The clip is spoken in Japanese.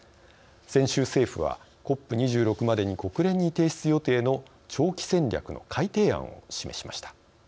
先週政府は、ＣＯＰ２６までに国連に提出予定の長期戦略の改定案を示しました。